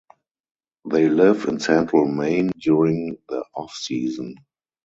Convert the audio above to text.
They live in central Maine during the offseason.